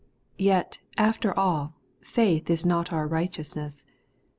Yet, after all, faith is not our righteousness.